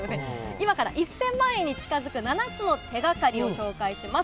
今から１０００万円に近づく７つの手がかりを紹介します。